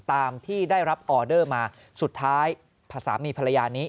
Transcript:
ตามที่ได้รับออเดอร์มาสุดท้ายสามีภรรยานี้